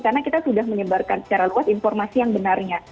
karena kita sudah menyebarkan secara luas informasi yang benarnya